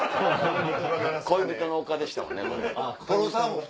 恋人の丘でしたもんね。